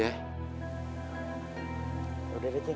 yaudah deh cik